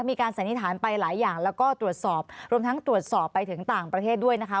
สันนิษฐานไปหลายอย่างแล้วก็ตรวจสอบรวมทั้งตรวจสอบไปถึงต่างประเทศด้วยนะคะ